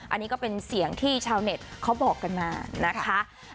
อันนี้ก็เป็นเสียงที่ชาวเน็ตเขาบอกกันมานะคะ